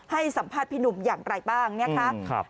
ให้สัมภาษณ์พินุมอย่างไรบ้างเนี่ยครับครับ